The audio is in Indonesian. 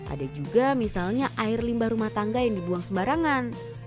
ada juga misalnya air limbah rumah tangga yang dibuang sembarangan